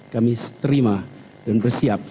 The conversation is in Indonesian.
kami terima dan bersiap